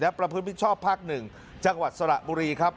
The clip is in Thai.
และประพฤติผิดชอบภาคหนึ่งจังหวัดสระบุรีครับ